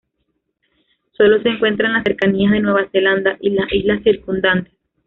Solo se encuentra en las cercanías de Nueva Zelanda y las islas circundantes.